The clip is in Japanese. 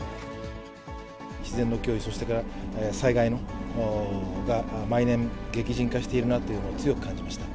自然の脅威、そして災害が毎年、激甚化しているなというのを強く感じました。